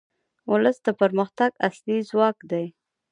ولس د پرمختګ اصلي ځواک دی.